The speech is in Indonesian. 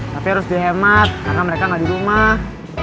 tapi harus dihemat karena mereka nggak di rumah